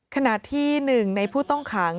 ขณะที่๑ในผู้ต้องขัง